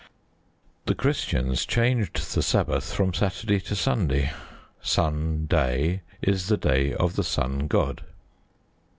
The Christians changed the Sabbath from Saturday to Sunday. Sun day is the day of the Sun God.